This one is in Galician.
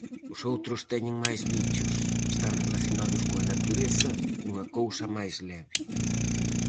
Os outros teñen máis bichos, están relacionados coa natureza, cunha cousa máis leve.